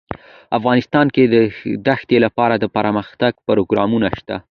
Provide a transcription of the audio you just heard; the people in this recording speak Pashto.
افغانستان کې د دښتې لپاره دپرمختیا پروګرامونه شته.